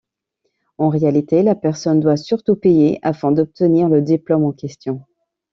En réalité, la personne doit surtout payer afin d'obtenir le diplôme en question.